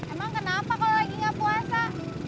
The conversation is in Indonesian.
emang kenapa kalau lagi nggak puasa